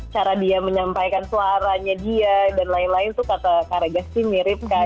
cara dia menyampaikan suaranya dia dan lain lain tuh kata karyaga sih mirip kak